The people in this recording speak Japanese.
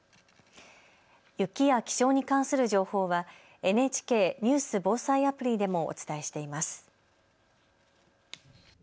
雪や気象に関する情報はＮＨＫニュース・防災アプリでもお伝えしています。